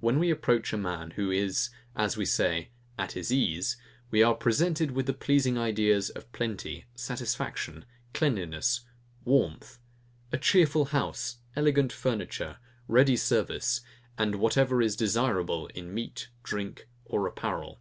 When we approach a man who is, as we say, at his ease, we are presented with the pleasing ideas of plenty, satisfaction, cleanliness, warmth; a cheerful house, elegant furniture, ready service, and whatever is desirable in meat, drink, or apparel.